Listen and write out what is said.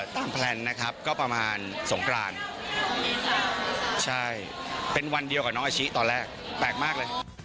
แพลนนะครับก็ประมาณสงกรานใช่เป็นวันเดียวกับน้องอาชิตอนแรกแปลกมากเลย